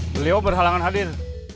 beliau berhalangan hadir